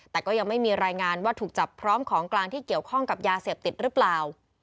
แต่ก็ยังไม่มีรายงานว่าถูกจับพร้อมของกลางที่เกี่ยวข้องกับยาเสพติดหรือเปล่า